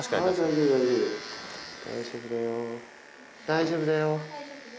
大丈夫だよ。